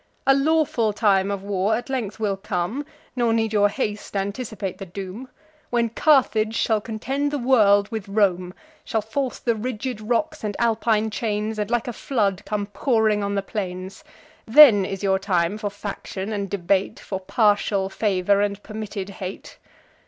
A lawful time of war at length will come, (Nor need your haste anticipate the doom), When Carthage shall contend the world with Rome, Shall force the rigid rocks and Alpine chains, And, like a flood, come pouring on the plains. Then is your time for faction and debate, For partial favour, and permitted hate.